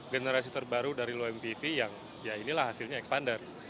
generasi terbaru dari low mpv yang ya inilah hasilnya expander